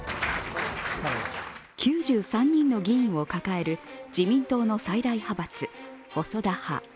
９３人の議員を抱える自民党の最大派閥、細田派。